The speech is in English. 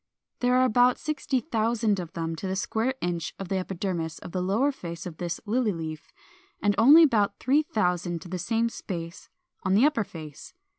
There are about 60,000 of them to the square inch of the epidermis of the lower face of this Lily leaf, and only about 3000 to the same space on the upper face.